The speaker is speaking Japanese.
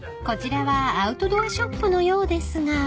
［こちらはアウトドアショップのようですが］